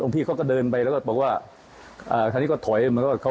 พี่เขาก็เดินไปแล้วก็บอกว่าท่านนี้ก็ถอย